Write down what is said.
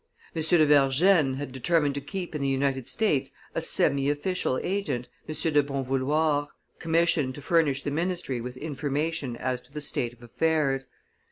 M. de Vergennes had determined to keep in the United States a semi official agent, M. de Bonvouloir, commissioned to furnish the ministry with information as to the state of affairs.